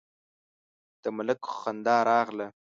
د ملک خندا راغله: